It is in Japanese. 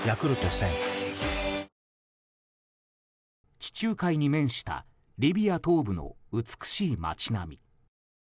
地中海に面したリビア東部の美しい街並み。